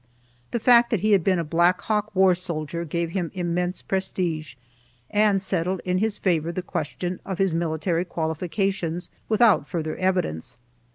The fact that he had been a Black Hawk war soldier gave him immense prestige, and settled in his favor the question of his military qualifications without further evidence.